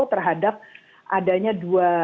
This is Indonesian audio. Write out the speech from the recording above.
terhadap adanya dua